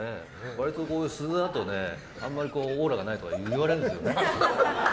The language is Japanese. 割と普段からあんまりオーラがないとは言われるんだよね。